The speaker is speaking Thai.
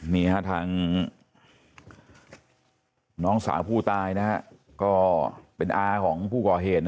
นี่ฮะทางน้องสาวผู้ตายก็เป็นอาของผู้ก่อเหตุ